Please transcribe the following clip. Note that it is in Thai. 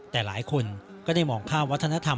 แต่หลายคนก็ได้มองข้ามวัฒนธรรม